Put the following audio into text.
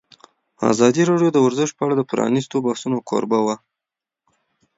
ازادي راډیو د ورزش په اړه د پرانیستو بحثونو کوربه وه.